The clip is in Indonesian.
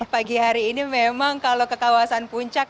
pagi hari ini memang kalau ke kawasan puncak